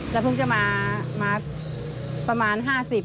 แล้วเพิ่งจะมาประมาณ๕๐